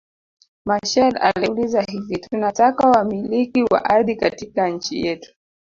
Machel aliuliza hivi tunataka wamiliki wa ardhi katika nchi yetu